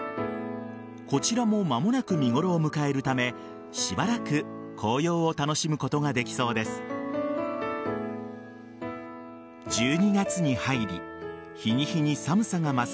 こちらも間もなく見頃を迎えるためしばらく紅葉を楽しむことができそうです。